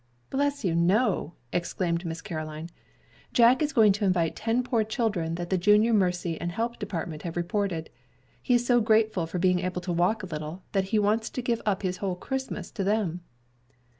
"Bless you, no," exclaimed Miss Caroline. "Jack is going to invite ten poor children that the Junior Mercy and Help Department have reported. He is so grateful for being able to walk a little, that he wants to give up his whole Christmas to them."